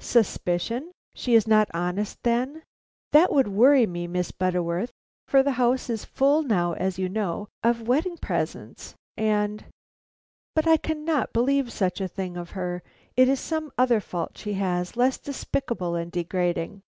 "Suspicion! She is not honest, then? That would worry me, Miss Butterworth, for the house is full now, as you know, of wedding presents, and But I cannot believe such a thing of her. It is some other fault she has, less despicable and degrading."